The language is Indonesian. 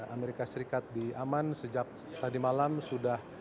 amerika serikat di aman sejak tadi malam sudah